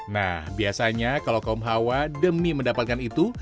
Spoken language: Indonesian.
nah biasanya kalau kaum hawa demi mendapatkan itu